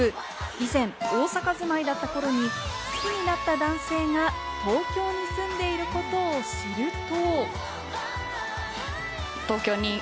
以前、大阪住まいだった頃に好きになった男性が東京に住んでいると知ると。